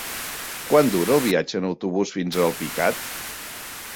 Quant dura el viatge en autobús fins a Alpicat?